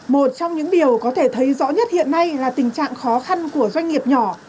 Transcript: một trong những điều có thể thấy rõ nhất hiện nay là tình trạng khó khăn của doanh nghiệp nhỏ